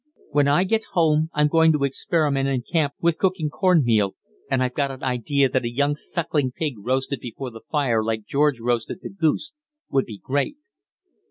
When I get home I'm going to experiment in camp with cooking corn meal, and I've got an idea that a young sucking pig roasted before the fire like George roasted the goose would be great."